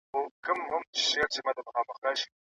ژوند د غفلت ځای نه دی.